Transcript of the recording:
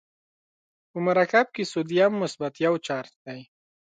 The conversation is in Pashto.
په مرکب کې سودیم مثبت یو چارج دی.